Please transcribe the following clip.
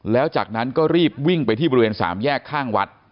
แล้วจากนั้นก็รีบวิ่งไปที่บริเวณสามแยกข้างวัด